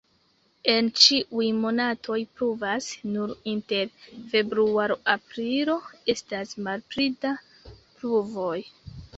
En ĉiuj monatoj pluvas, nur inter februaro-aprilo estas malpli da pluvoj.